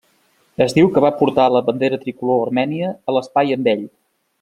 Es diu que va portar la bandera tricolor armènia a l'espai amb ell.